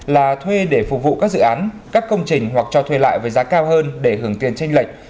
là thuê để phục vụ các dự án các công trình hoặc cho thuê lại với giá cao hơn để hưởng tiền tranh lệch